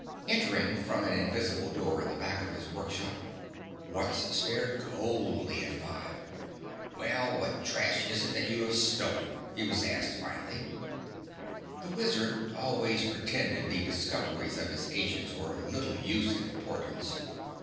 Entering from an invisible door in the back of his work shop, Wutz stared coldly at Five. "Well, what trash is that you have stolen?" was asked, finally. The wizard always pretended the discoveries of his agents were of little use and importance.